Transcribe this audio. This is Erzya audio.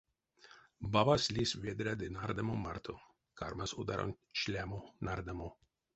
Бабась лиссь ведра ды нардамо марто, кармась одаронть шлямо-нардамо.